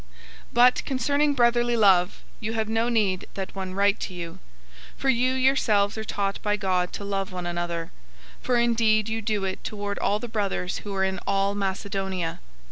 004:009 But concerning brotherly love, you have no need that one write to you. For you yourselves are taught by God to love one another, 004:010 for indeed you do it toward all the brothers who are in all Macedonia.